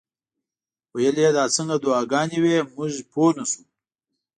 ویل یې دا څنګه دعاګانې وې موږ پوه نه شو.